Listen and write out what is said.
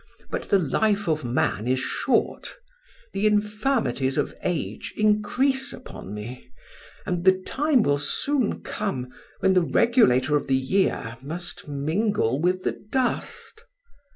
But the life of man is short; the infirmities of age increase upon me, and the time will soon come when the regulator of the year must mingle with the dust.